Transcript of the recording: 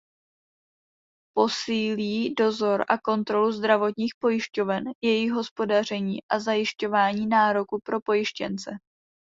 Posílí dozor a kontrolu zdravotních pojišťoven, jejich hospodaření a zajišťování nároku pro pojištěnce.